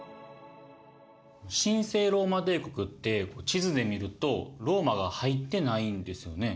神聖ローマ帝国って地図で見るとローマが入ってないんですよね。